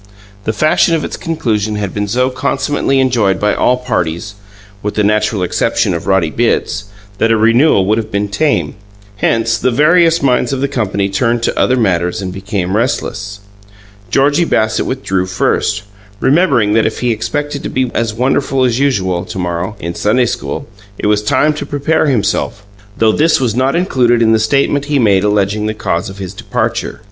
The fashion of its conclusion had been so consummately enjoyed by all parties (with the natural exception of Roddy Bitts) that a renewal would have been tame; hence, the various minds of the company turned to other matters and became restless. Georgie Bassett withdrew first, remembering that if he expected to be as wonderful as usual, to morrow, in Sunday school, it was time to prepare himself, though this was not included in the statement he made alleging the cause of his departure.